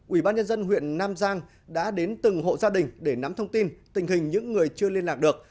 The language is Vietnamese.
ủy ban nhân dân huyện nam giang đã đến từng hộ gia đình để nắm thông tin tình hình những người chưa liên lạc được